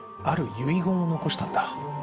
ある遺言を残したんだ」